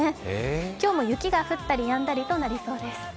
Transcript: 今日も雪が降ったりやんだりとなりそうです。